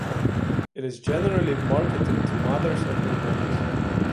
It is generally marketed to mothers of newborns.